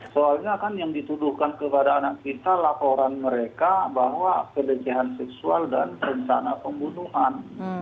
soalnya kan yang dituduhkan kepada anak kita laporan mereka bahwa pelecehan seksual dan rencana pembunuhan